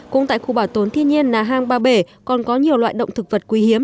cũng tại khu bảo tồn thiên nhiên na hàng ba bể còn có nhiều loại động thực vật quý hiếm